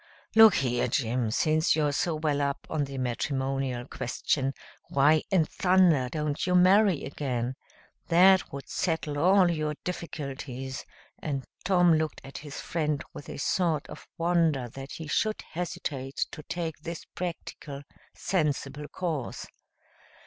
"Look here, Jim, since you're so well up on the matrimonial question, why in thunder don't you marry again? That would settle all your difficulties," and Tom looked at his friend with a sort of wonder that he should hesitate to take this practical, sensible course.